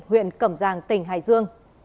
huyện cẩm giàng tỉnh hải dương